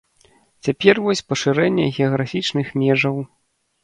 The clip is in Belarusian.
Цяпер вось пашырэнне геаграфічных межаў.